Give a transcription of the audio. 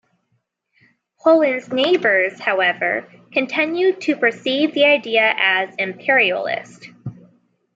Poland's neighbors, however, continued to perceive the idea as imperialist.